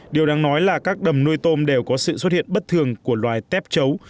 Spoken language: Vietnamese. điều đáng nói là các đầm nuôi tôm đều có sự xuất hiện bất thường của loài tép chấu